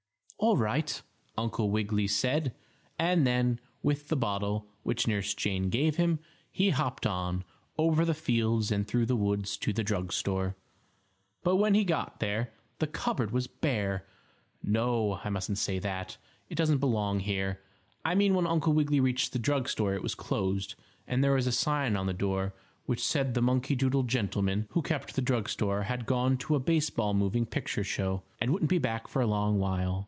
"All right," Uncle Wiggily said, and then, with the bottle, which Nurse Jane gave him, he hopped on, over the fields and through the woods to the drug store. But when he got there the cupboard was bare . No! I mustn't say that. It doesn't belong here. I mean when Uncle Wiggily reached the drug store it was closed, and there was a sign in the door which said the monkey doodle gentleman who kept the drug store had gone to a baseball moving picture show, and wouldn't be back for a long while.